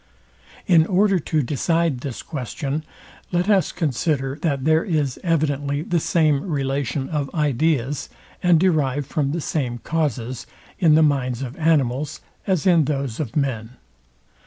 In order to decide this question, let us consider, that there is evidently the same relation of ideas, and derived from the same causes, in the minds of animals as in those of men.